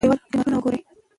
نړیوال قیمتونه وګورئ.